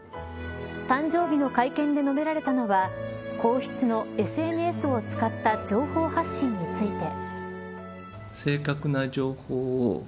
誕生日の会見で述べられたのは皇室のＳＮＳを使った情報発信について。